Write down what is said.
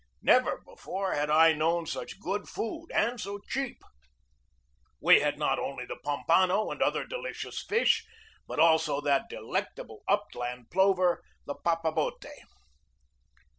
Never before had I known such good food and so cheap. We had not only the pompano and other delicious fish, but also that delectable upland plover, the "papabote."